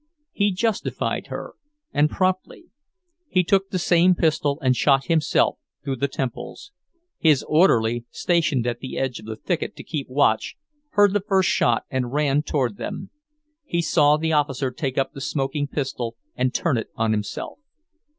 "He justified her, and promptly. He took the same pistol and shot himself through the temples. His orderly, stationed at the edge of the thicket to keep watch, heard the first shot and ran toward them. He saw the officer take up the smoking pistol and turn it on himself.